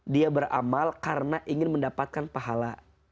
dia beramal karena ingin mendapatkan pahala